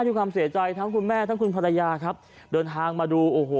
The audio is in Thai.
ด้วยความเสียใจทั้งคุณแม่ทั้งคุณภรรยาครับเดินทางมาดูโอ้โห